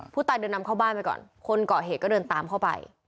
เดินนำเข้าบ้านไปก่อนคนก่อเหตุก็เดินตามเข้าไป